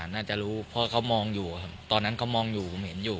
น่าจะรู้เพราะเขามองอยู่ครับตอนนั้นเขามองอยู่ผมเห็นอยู่